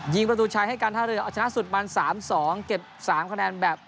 ประตูชัยให้การท่าเรือเอาชนะสุดมัน๓๒เก็บ๓คะแนนแบบ